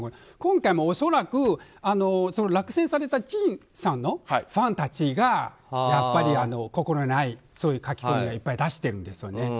今回も恐らく、落選されたチンさんのファンたちがやっぱり心ない書き込みをいっぱい出してるんですよね